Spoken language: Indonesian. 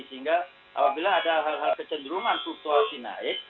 sehingga apabila ada hal hal kecenderungan fluktuasi naik